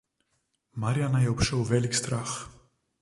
Marjana je obšel velik strah.